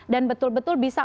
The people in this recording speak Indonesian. dan betul betul bisa